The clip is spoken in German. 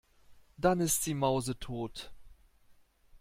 Dann ist sie mausetot.